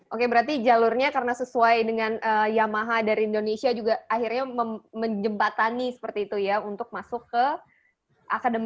oke berarti jalurnya karena sesuai dengan yamaha dari indonesia juga akhirnya menjembatani seperti itu ya untuk masuk ke akademi